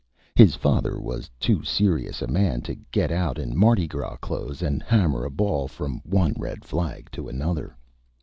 His Father was too Serious a Man to get out in Mardi Gras Clothes and hammer a Ball from one Red Flag to another.